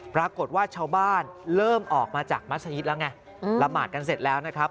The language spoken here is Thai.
ปรากฏว่าชาวบ้านเริ่มออกมาจากมัศยิตแล้วไงละหมาดกันเสร็จแล้วนะครับ